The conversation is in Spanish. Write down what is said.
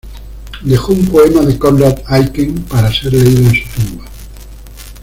Dejó un poema de Conrad Aiken para ser leído en su tumba.